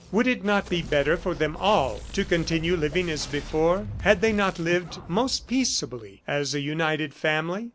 Would it not be better for them all to continue living as before? ... Had they not lived most peaceably as a united family?